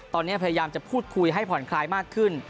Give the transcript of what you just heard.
ตอนนี้พยายามจะพูดคุยให้ผ่อนคลายมากขึ้น